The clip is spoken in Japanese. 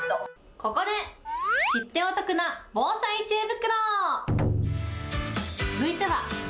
ここで、知ってお得な防災知恵袋！